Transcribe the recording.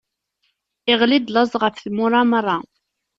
Iɣli-d laẓ ɣef tmura meṛṛa.